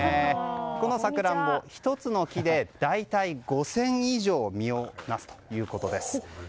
このサクランボ１つの木で大体５０００以上実をなすということです。